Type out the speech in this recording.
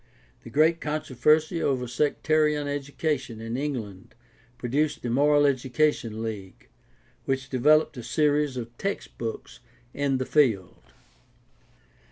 The great controversy over sectarian education in England produced the Moral Education League, which developed a series of textbooks in the field.